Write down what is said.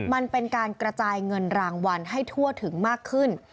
มันเป็นการกระจายเงินรางวัลให้ทั่วถึงมากขึ้น